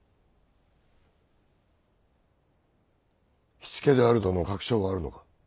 火付けであるとの確証はあるのか？